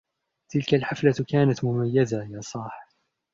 تلك الحفلة كانت مميزة ، يا صاحِ!